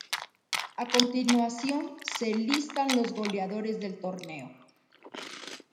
A continuación se listan los goleadores del torneo.